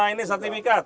bagaimana ini sertifikat